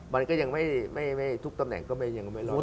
มันก็ยังไม่ทุกตำแหน่งก็ยังไม่รอด